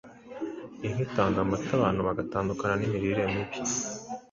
Inka itanga amata abantu bagatandukana n’imirire mibi.